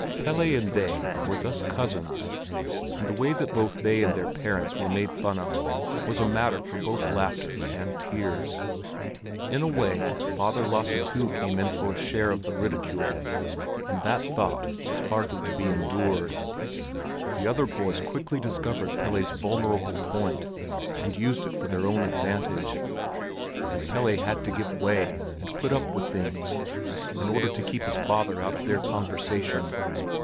Pelle and they were thus cousins; and the way that both they and their parents were made fun of was a matter for both laughter and tears. In a way, Father Lasse too came in for a share of the ridicule, and that thought was hardly to be endured. The other boys quickly discovered Pelle's vulnerable point, and used it for their own advantage; and Pelle had to give way and put up with things in order to keep his father out of their conversation.